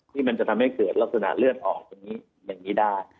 ที่มันจะทำให้เกิดลักษณะเลือดออกตรงนี้อย่างนี้ได้